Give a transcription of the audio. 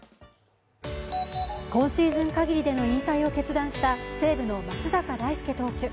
今シーズンかぎりでの引退を決断した西武の松坂大輔投手。